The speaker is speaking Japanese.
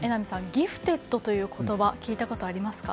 ギフテッドという言葉聞いたことありますか？